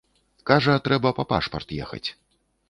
Кажа, трэба па пашпарт ехаць.